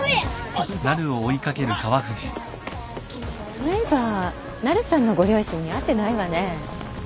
そういえばなるさんのご両親に会ってないわね。